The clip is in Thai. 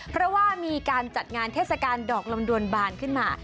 เพราะว่ามีการจัดงานเทศกาลดอกลำดวนบานขึ้นมา